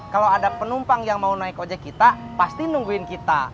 kalau ada penumpang yang mau naik ojek kita pasti nungguin kita